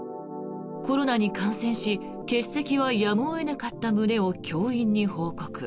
コロナに感染し欠席はやむを得なかった旨を教員に報告。